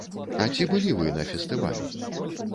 А ці былі вы на фестывалі?